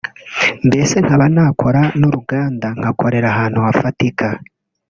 mbese nkaba nakora n’uruganda nkakorera ahantu hafatika